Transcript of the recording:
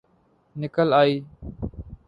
نکل آئ